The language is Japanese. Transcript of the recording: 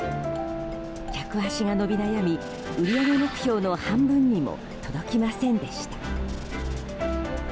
客足が伸び悩み、売り上げ目標の半分にも届きませんでした。